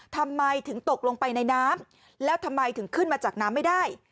ทำไมถึงตกลงไปในน้ำแล้วทำไมถึงขึ้นมาจากน้ำไม่ได้